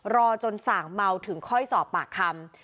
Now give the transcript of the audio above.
รอจนสั่งเมาถึงค่อยสอบปากคำ